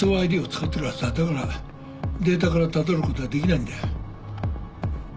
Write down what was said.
だからデータからたどることができないんだよ。